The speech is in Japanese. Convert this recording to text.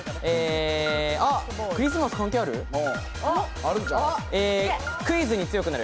あっ、クリスマス関係ある？